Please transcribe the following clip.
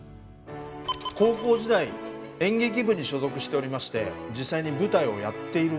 高校時代演劇部に所属しておりまして実際に舞台をやっている時の写真です。